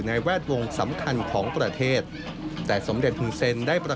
ไม่มีประโยชน์ว่า